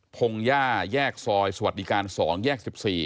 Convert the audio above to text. พงหญ้าแยกซอยสวัสดิการ๒แยก๑๔